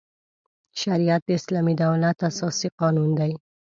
شریعت د اسلامي دولت اساسي قانون دی.